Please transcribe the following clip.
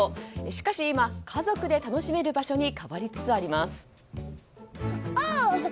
しかし今、家族で楽しめる場所に変わりつつあります。